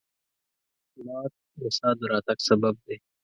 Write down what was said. باد د سا د راتګ سبب دی